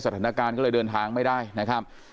สถานการณ์ก็เลยเดินทางไม่ได้นะครับ